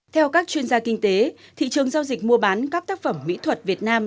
theo các chuyên gia kinh tế thị trường giao dịch mua bán các tác phẩm mỹ thuật việt nam